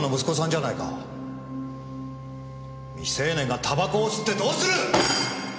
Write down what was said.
未成年が煙草を吸ってどうする！